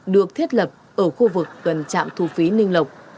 được thiết lập ở khu vực gần trạm thu phí ninh lộc